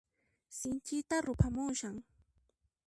Sinchita ruphamushan.